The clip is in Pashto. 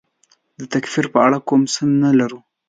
د تکفیر په اړه کوم سند نه لرو.